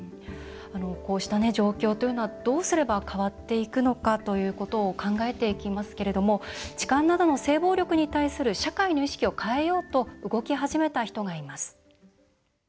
こうした状況というのはどうすれば変わっていくのかということを考えていきますけれども痴漢などの性暴力に対する社会の意識を変えようと動き始めた人がいます。